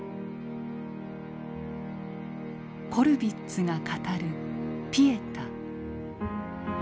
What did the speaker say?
コルヴィッツが語る「ピエタ」。